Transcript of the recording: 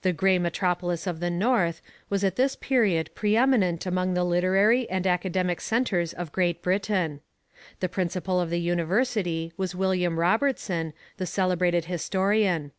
The 'grey metropolis of the North' was at this period pre eminent among the literary and academic centres of Great Britain. The principal of the university was William Robertson, the celebrated historian.